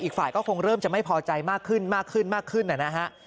อีกฝ่ายก็คงเริ่มจะไม่พอใจมากขึ้นมากขึ้นมากขึ้นนะฮะ